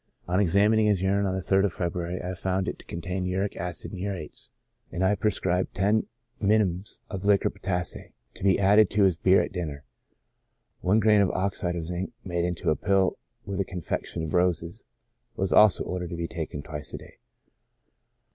On examining his urine, on the 3rd of February, I found it to contain uric acid and urates, and I prescribed ten minims of liquor potas sae, to be added to his beer at dinner ; one grain of oxide of zinc, made into a pill with confection of roses, was also ordered to be taken twice a day.